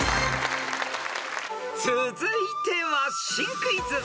［続いては新クイズ］